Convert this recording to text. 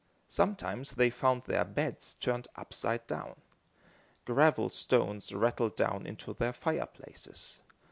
Sometimes they found their beds turned upside down. Gravel stones rattled down into their fireplaces.